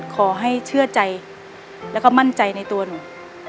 ขอให้เชื่อใจแล้วก็มั่นใจในตัวหนู